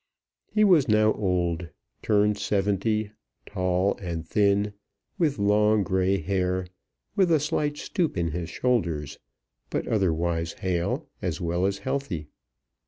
He was now old, turned seventy, tall and thin, with long grey hair, with a slight stoop in his shoulders, but otherwise hale as well as healthy.